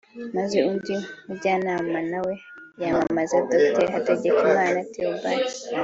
maze undi mujyanama nawe yamamaza Dr Hategekimana Theobald